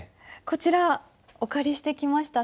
こちらお借りしてきました。